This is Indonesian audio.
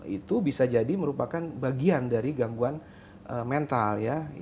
itu bisa jadi merupakan bagian dari gangguan mental ya